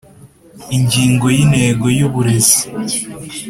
Ingingo ya intego y uburezi